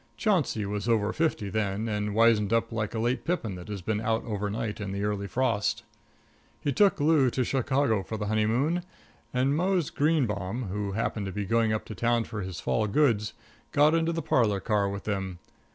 Chauncey was over fifty then, and wizened up like a late pippin that has been out overnight in an early frost. He took Lu to Chicago for the honeymoon, and Mose Greenebaum, who happened to be going up to town for his fall goods, got into the parlor car with them.